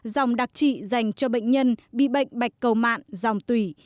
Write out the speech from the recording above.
dòng đặc trị dành cho bệnh nhân bị bệnh bạch cầu mạn dòng tủy